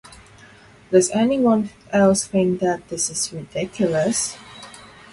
Does anyone else think that this is ridiculous?